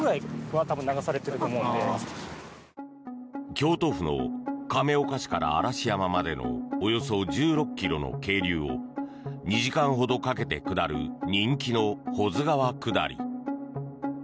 京都府の亀岡市から嵐山までのおよそ１６ｋｍの渓流を２時間ほどかけて下る人気の保津川下り。